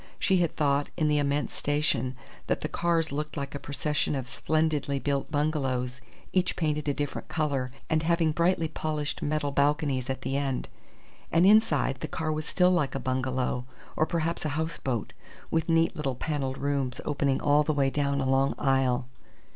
She had thought, in the immense station, that the cars looked like a procession of splendidly built bungalows each painted a different colour and having brightly polished metal balconies at the end. And inside, the car was still like a bungalow, or perhaps a houseboat, with neat little panelled rooms opening all the way down a long aisle.